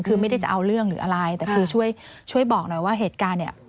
คือไม่ได้จะเอาเรื่องหรืออะไรแต่คือช่วยช่วยบอกหน่อยว่าเหตุการณ์เนี่ย